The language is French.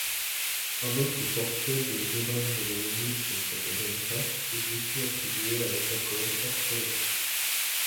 Un autre portrait de Jovan Jovanović Šakabenta est aussi attribué à Jakov Orfelin.